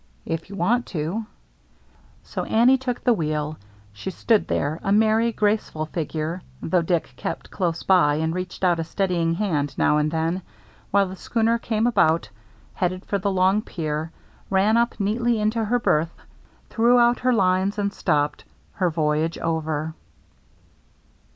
" If you want to." So Annie took the wheel. She stood there, a merry, graceful figure, — though Dick kept close by and reached out a steadying hand now and then, — while the schooner came about, headed for the long pier, ran up neatly into her berth, threw out her lines, and stopped, her voyage over.